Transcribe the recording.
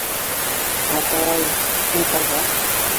— Ата-ай, һин ҡайҙа.